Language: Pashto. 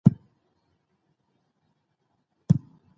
بېرته د ځان غم ورسره شو.